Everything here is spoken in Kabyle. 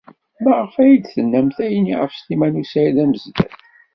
Maɣef ay d-tennamt ayenni ɣef Sliman u Saɛid Amezdat?